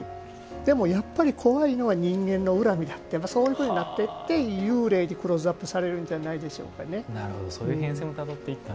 でも、やっぱり怖いのが人間の恨みだとそういうふうになっていって幽霊にクローズアップされるんじゃないでしょうかね。